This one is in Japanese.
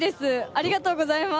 ありがとうございます。